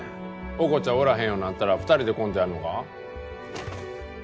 オコチャおらへんようになったら２人でコントやんのか？